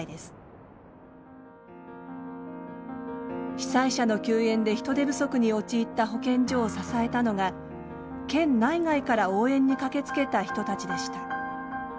被災者の救援で人手不足に陥った保健所を支えたのが県内外から応援に駆けつけた人たちでした。